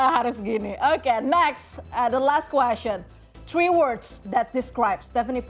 harus gini oke selanjutnya pertanyaan terakhir tiga kata yang menjelaskan poesia stephanie